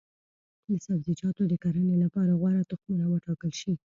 د سبزیجاتو د کرنې لپاره غوره تخمونه وټاکل شي.